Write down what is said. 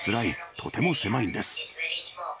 とても狭いんです。